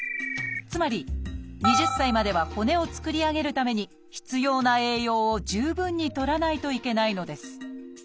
つまり２０歳までは骨を作り上げるために必要な栄養を十分にとらないといけないのです。